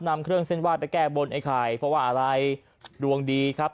นำเครื่องเส้นไห้ไปแก้บนไอ้ไข่เพราะว่าอะไรดวงดีครับ